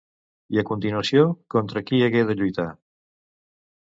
I a continuació, contra qui hagué de lluitar?